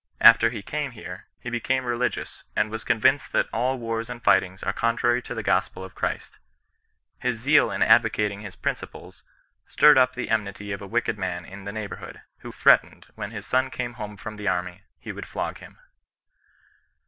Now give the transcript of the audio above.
After he came here, he became religious, and was convinced that all * wars and fightings' are contrary to the Gospel of Christ. His zeal in advocating his principles stirred up the enmity of a wicked man in the neighbourhood, who threatened, when his son came home from the army, he would flog him.